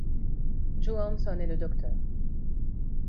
Joe Hanson et le Dr.